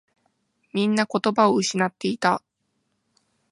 みんな言葉を失っていた。